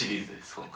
今回。